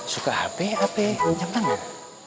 suka hp hp jam tangan